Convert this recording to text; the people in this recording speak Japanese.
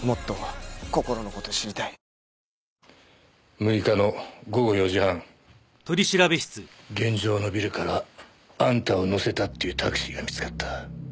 ６日の午後４時半現場のビルからあんたを乗せたっていうタクシーが見つかった。